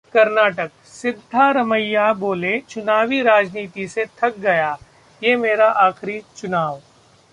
कर्नाटक: सिद्धारमैया बोले- चुनावी राजनीति से थक गया, ये मेरा आखिरी चुनाव